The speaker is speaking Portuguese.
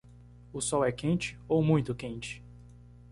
O sol é quente ou muito quente?